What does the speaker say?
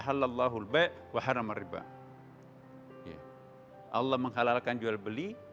allah menghalalkan jual beli